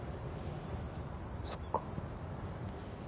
そっか。